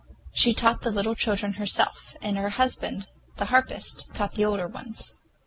She taught the little children herself, and her husband, the harpist, taught the older ones.